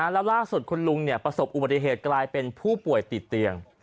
แล้วล่าสุดคุณลุงประสบอุบัติเหตุกลายเป็นผู้ป่วยติดเตียง